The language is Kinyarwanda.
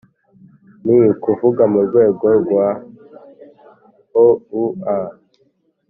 ni ukuvuga mu rwego rwa oua,